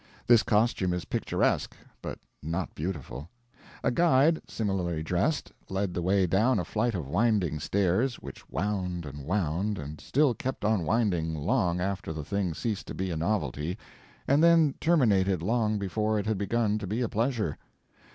This costume is picturesque, but not beautiful. A guide, similarly dressed, led the way down a flight of winding stairs, which wound and wound, and still kept on winding long after the thing ceased to be a novelty, and then terminated long before it had begun to be a pleasure.